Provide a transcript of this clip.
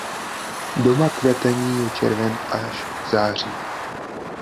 Doba kvetení je červen až září.